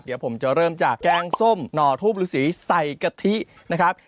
เดี๋ยวผมจะเริ่มจากแกงส้มหน่อทูปฤษีใส่กะทินะครับ